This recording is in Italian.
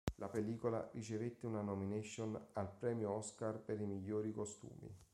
La pellicola ricevette una "nomination" al premio Oscar per i migliori costumi.